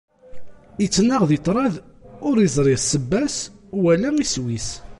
Ittnaɣ di ṭṭṛad ur izṛi sebba-s wala iswi-s.